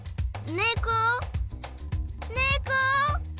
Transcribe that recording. ねこ？